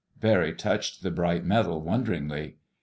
Barry touched the bright medal wonderingly.